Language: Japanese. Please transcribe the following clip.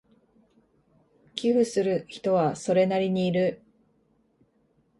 寄付する人はそれなりにいる